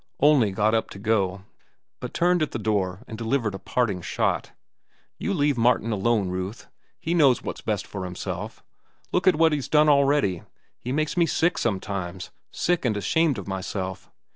Onley got up to go, but turned at the door and delivered a parting shot. "You leave Martin alone, Ruth. He knows what's best for himself. Look at what he's done already. He makes me sick sometimes, sick and ashamed of myself.